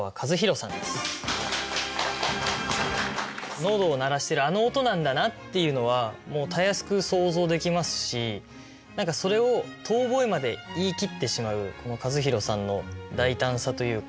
喉を鳴らしてるあの音なんだなっていうのはもうたやすく想像できますし何かそれを「遠吠え」まで言い切ってしまうこの和博さんの大胆さというか。